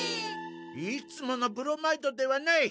いつものブロマイドではない。